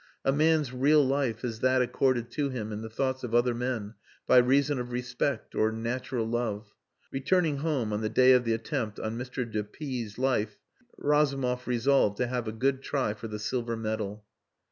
A man's real life is that accorded to him in the thoughts of other men by reason of respect or natural love. Returning home on the day of the attempt on Mr. de P 's life Razumov resolved to have a good try for the silver medal.